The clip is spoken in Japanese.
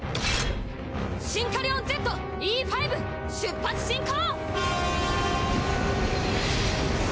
シンカリオンＺＥ５出発進行！